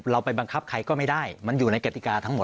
ไปบังคับใครก็ไม่ได้มันอยู่ในกติกาทั้งหมด